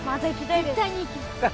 絶対に行きたい。